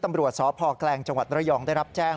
ตำรวจสพแกลงจังหวัดระยองได้รับแจ้ง